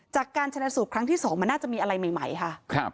จากการชนะสูตรครั้งที่๒มันน่าจะมีอะไรใหม่ค่ะ